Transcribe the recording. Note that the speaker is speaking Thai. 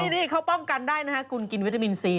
นี่เขาป้องกันได้นะฮะคุณกินวิตามินซี